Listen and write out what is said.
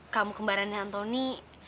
kamu kemarin antony